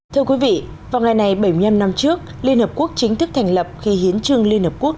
thưa quý vị vào ngày này bảy mươi năm năm trước liên hợp quốc chính thức thành lập khi hiến trương liên hợp quốc